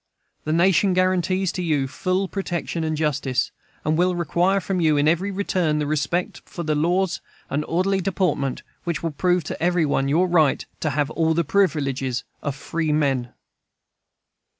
The nation guarantees to you full protection and justice, and will require from you in return the respect for the laws and orderly deportment which will prove to every one your right to all the privileges of freemen.